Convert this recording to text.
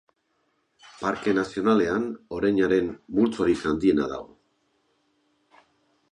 Parke Nazionalean oreinaren multzorik handiena dago.